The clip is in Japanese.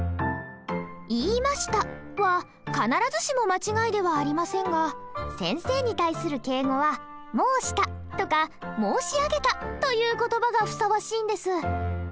「言いました」は必ずしも間違いではありませんが先生に対する敬語は「申した」とか「申し上げた」という言葉がふさわしいんです。